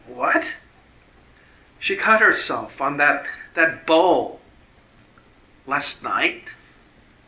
"What?" "She cut herself on that that bowl." "Last night?"